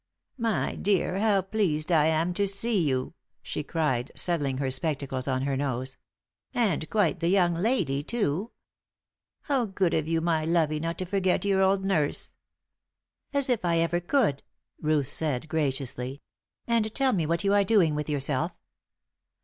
"My dear, how pleased I am to see you!" she cried, settling her spectacles on her nose. "And quite the young lady, too! How good of you, my lovey, not to forget your old nurse." "As if I ever could," Ruth said, graciously. "And tell me what you are doing with yourself?"